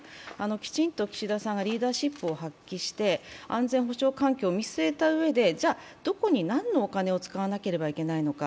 きちんと岸田さんがリーダーシップを発揮して、安全保障環境を見据えたうえで、じゃあどこに何のお金を使わなければいけないのか。